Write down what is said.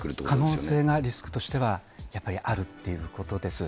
可能性がリスクとしてはやっぱりあるということです。